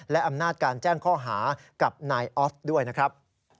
และอำนาจการแจ้งข้อหากับนายออฟด้วยนะครับ